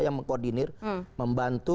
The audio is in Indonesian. yang mengkoordinir membantu